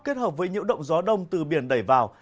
kết hợp với nhiễu động gió đông từ biển đẩy vào